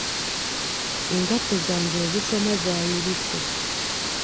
Engatto zange ezisoma zaayulise.